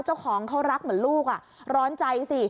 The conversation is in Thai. เจ้าของเขารักเหมือนลูกร้อนใจสิ